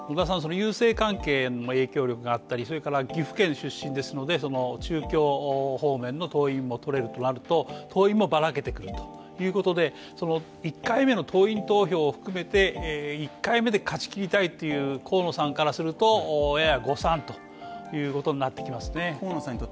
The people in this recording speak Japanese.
郵政関係にも影響力があって岐阜県出身ですので、中京方面の党員もとれるとなると党員もばらけてくるということで１回目の党員投票を含めて１回目で勝ちきりたいという河野さんからすると、やや誤算ということになってきますね。